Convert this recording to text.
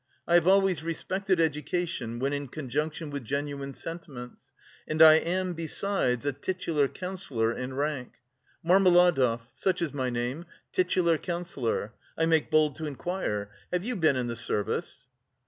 I have always respected education when in conjunction with genuine sentiments, and I am besides a titular counsellor in rank. Marmeladov such is my name; titular counsellor. I make bold to inquire have you been in the service?"